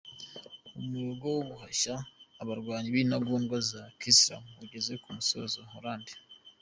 Umuhigo wo guhashya abarwanyi b’intagondwa za kiyisilamu ugeze ku musozo Hollande